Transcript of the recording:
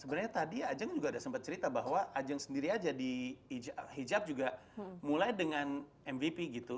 sebenarnya tadi ajang juga ada sempat cerita bahwa ajeng sendiri aja di hijab juga mulai dengan mvp gitu